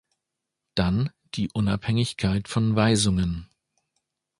Dann die Unabhängigkeit von Weisungen.